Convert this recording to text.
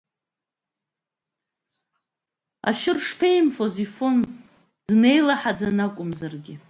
Ашәыр шԥаимфоз, ифон, днеилаҳаӡаны акәымзаргьы.